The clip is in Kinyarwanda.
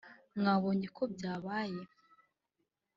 mwabonye ko byabaye